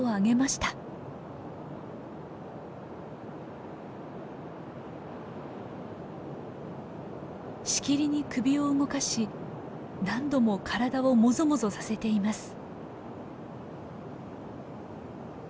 しきりに首を動かし何度も体をもぞもぞさせています。